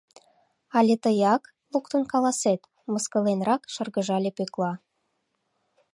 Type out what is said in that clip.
Але тыяк луктын каласет, — мыскыленрак шыргыжале Пӧкла.